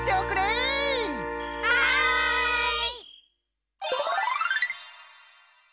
はい！